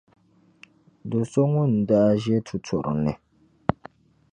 do’ so ŋun daa ʒe tuturi ni.